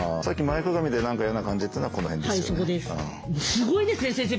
すごいですね先生。